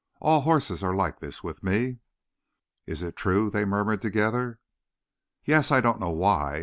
"All horses are like this with me." "Is it true?" they murmured together. "Yes; I don't know why.